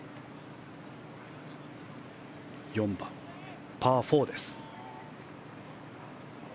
４番、パー４です。